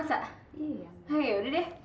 nah yaudah deh